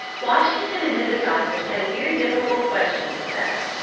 Washington and his advisers had a very difficult question to settle.